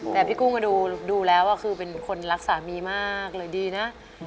แต่พี่กุ้งก็ดูแล้วคือเป็นคนรักสามีมากเลยดีนะ